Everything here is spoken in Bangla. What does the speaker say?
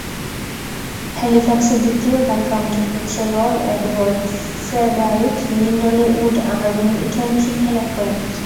হ্যালিফ্যাক্সের দ্বিতীয় ভাইকাউন্টের পুত্র lord Edward Frederick Lindley Wood Irwin ইটনে শিক্ষা লাভ করেন।